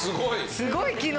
すごい機能。